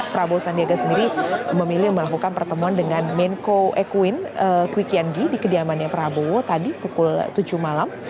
prabowo sandiaga sendiri memilih melakukan pertemuan dengan menko ekuin kwi kian gi di kediamannya prabowo tadi pukul tujuh malam